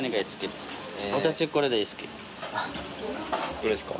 どれですか？